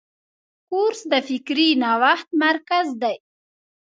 کورس د فکري نوښت مرکز دی.